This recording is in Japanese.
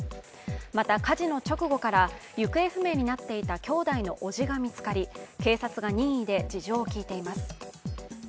また、火事の直後から行方不明になっていた兄弟の伯父が見つかり警察が任意で事情を聴いています。